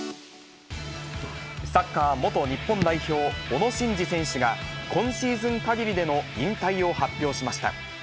サッカー元日本代表、小野伸二選手が、今シーズンかぎりでの引退を発表しました。